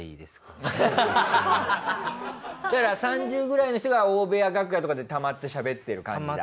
だから３０くらいの人が大部屋楽屋とかでたまってしゃべってる感じだ。